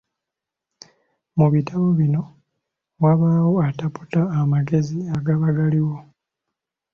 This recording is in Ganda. Mu bitabo bino wabaawo ataputa amagezi agaba galiwo.